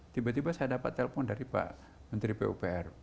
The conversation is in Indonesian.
tiba tiba saya dapat telepon dari pak menteri pupr